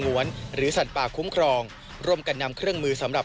จอบประเด็นจากรายงานของคุณศักดิ์สิทธิ์บุญรัฐครับ